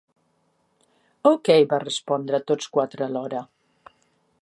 Okay! —va respondre tots quatre alhora.